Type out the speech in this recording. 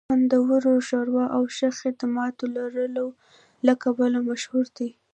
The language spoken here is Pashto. د خوندورې ښوروا او ښه خدماتو لرلو له کبله مشهور دی